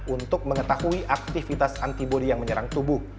untuk mengetahui aktivitas antibody yang menyerang tubuh